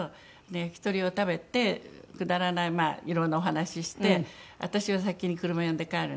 焼き鳥を食べてくだらないまあいろんなお話して私は先に車呼んで帰るんですけど。